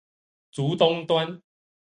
竹東端